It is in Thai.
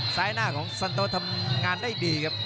หน้าของสันโต๊ทำงานได้ดีครับ